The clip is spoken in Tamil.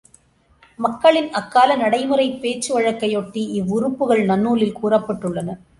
மக்களின் அக்கால நடைமுறைப் பேச்சு வழக்கையொட்டி இவ்வுறுப்புகள் நன்னூலில் கூறப்பட்டுள்ளன.